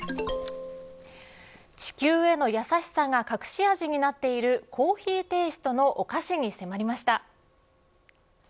地球への優しさが隠し味になっているコーヒーテイストのお菓子に迫りました。